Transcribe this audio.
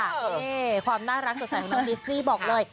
นี่ความน่ารักสดใสของน้องดิสนี่บอกเลย